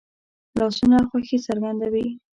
لاسونه خوښي څرګندوي